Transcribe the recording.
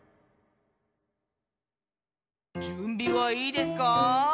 じゅんびはいいですか？